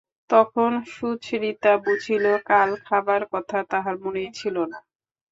তখন সুচরিতা বুঝিল, কাল খাবার কথা তাহার মনেই ছিল না।